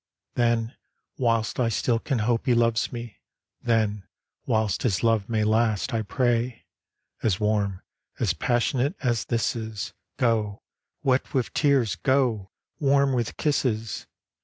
Then, whilst I still can hope He loves me, Then, whilst His love may last, I pray. As warm, as passionate, as this is, Go ! wet with tears, go ! warm with kisses.